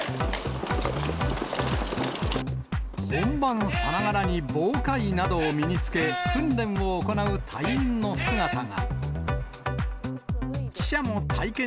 本番さながらに、防火衣などを身につけ、訓練を行う隊員の姿が。